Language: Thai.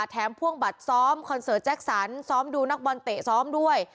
พ่วงบัตรซ้อมคอนเสิร์ตแจ็คสันซ้อมดูนักบอลเตะซ้อมด้วย